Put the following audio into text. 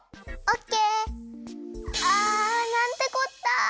なんてこった！